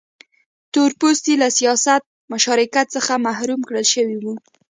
تور پوستي له سیاسي مشارکت څخه محروم کړل شوي وو.